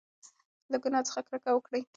له ګناه څخه کرکه وکړئ.